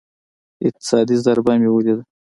اقتصادي ضربه مې وليده.